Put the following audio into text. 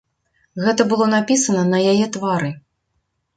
Гэта было напісана на яе твары.